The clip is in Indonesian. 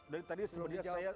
dari tadi sebelumnya saya